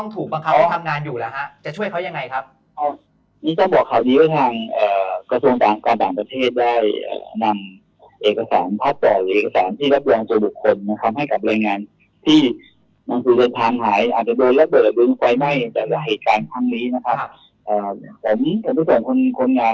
ทุกคนคนงานไทยเมื่อวันวันอาทิตย์ที่แทนมา